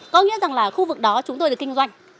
có nghĩa rằng là khu vực đó chúng tôi được kinh doanh